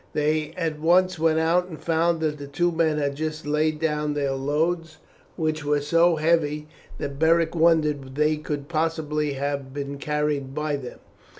They at once went out and found that the two men had just laid down their loads, which were so heavy that Beric wondered they could possibly have been carried by them.